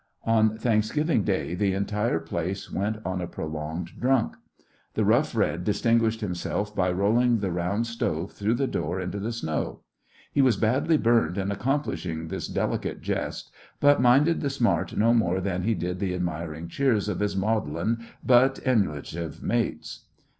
On Thanksgiving Day the entire place went on a prolonged drunk. The Rough Red distinguished himself by rolling the round stove through the door into the snow. He was badly burned in accomplishing this delicate jest, but minded the smart no more then he did the admiring cheers of his maudlin but emulative mates.